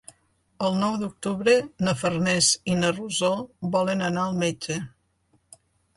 El nou d'octubre na Farners i na Rosó volen anar al metge.